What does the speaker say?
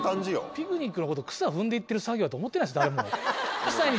ピクニックのこと草踏む作業と思ってないです誰も。